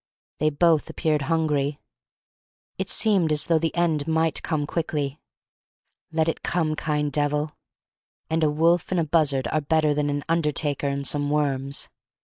They both appeared hungry. It seemed as though the end might come quickly. Let it come, kind Devil. And a wolf and a buzzard are better than an undertaker and some worms.